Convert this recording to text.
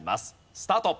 スタート。